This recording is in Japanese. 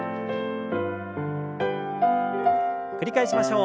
繰り返しましょう。